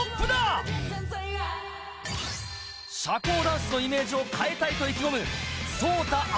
社交ダンスのイメージを変えたいと意気込む。